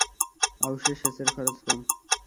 আউশে সেচের খরচ কম।